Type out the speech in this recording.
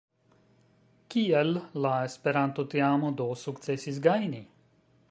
Kiel la Esperanto-teamo do sukcesis gajni?